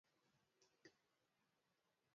An gi siling mia adek